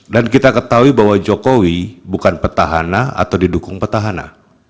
dan kita ketahui bahwa jokowi bukan petahana atau didukung petahana